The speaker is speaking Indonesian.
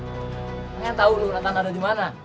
pengen tau lo nathan ada dimana